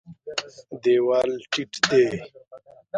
دېوال ټیټ دی.